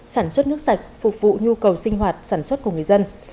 sản xuất nước sạch phục vụ nhu cầu sinh hoạt sản xuất của người dân